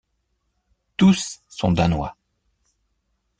Tous sont danois.